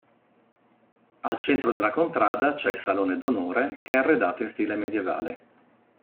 Al centro della contrada c'è il salone d'onore, che è arredato in stile medievale.